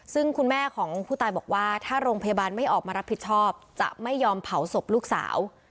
ซึ่งคุณแม่ของผู้ตายบอกว่าถ้าโรงพยาบาลไม่ออกมารับผิดชอบจะไม่ยอมเผาศพลูกสาว